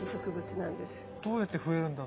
どうやって増えるんだ？